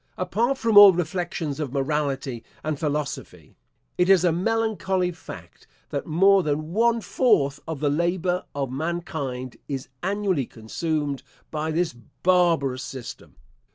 Apart from all reflections of morality and philosophy, it is a melancholy fact that more than one fourth of the labour of mankind is annually consumed by this barbarous system.